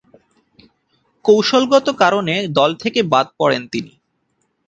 কৌশলগত কারণে দল থেকে বাদ পড়েন তিনি।